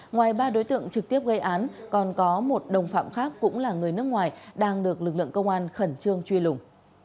ngoài ba đối tượng trực tiếp gây án còn có một đồng phạm khác cũng là người nước ngoài đang được lực lượng công an khẩn trương truy lùng